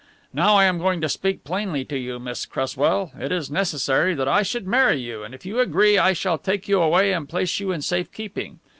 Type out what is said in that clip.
Now I am going to speak plainly to you, Miss Cresswell. It is necessary that I should marry you, and if you agree I shall take you away and place you in safe keeping.